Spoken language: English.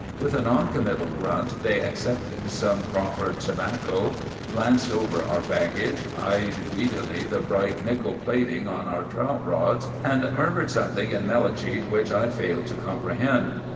With a non committal grunt they accepted some proffered tobacco, glanced over our baggage, eyed greedily the bright nickel plating on our trout rods, and murmured something in Melicete which I failed to comprehend.